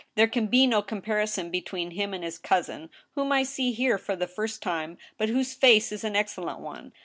There can be no comparison between him and his cousin, whom I see here for the first time, but whose face is an excellent one.